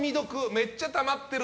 めっちゃたまってる？